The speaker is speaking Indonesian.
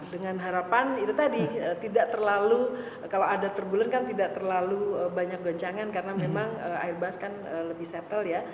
dengan harapan itu tadi kalau ada turbulensi kan tidak terlalu banyak guncangan karena memang airbus kan lebih settle